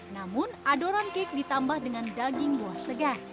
namun adoran kek ditambah dengan daging buah segar